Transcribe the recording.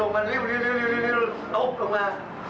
ไม่มีอะไรเลยลมมาเร็วอะโฮล์ปลงมา